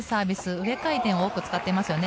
上回転を多く使っていますよね。